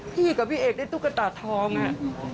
พี่กับพี่เอกได้ตุ๊กตาทองอ่ะ